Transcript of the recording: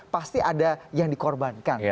pasti ada yang dikorbankan